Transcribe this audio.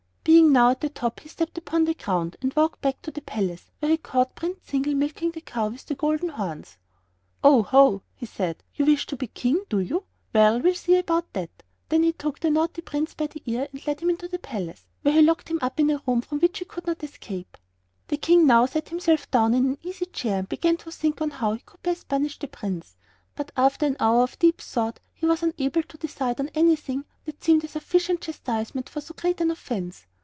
Being now at the top he stepped upon the ground and walked back to the palace, where he caught Prince Zingle milking the cow with the golden horns. "Oh, ho!" he said, "you wish to be King, do you? Well, we'll see about that!" Then he took the naughty Prince by the ear and led him into the palace, where he locked him up in a room from which he could not escape. The King now sat himself down in an easy chair and began to think on how he could best punish the Prince, but after an hour of deep thought he was unable to decide on anything that seemed a sufficient chastisement for so great an offense.